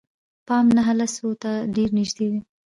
پام نهه لسو ته ډېر نژدې دي.